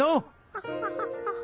オハハハ。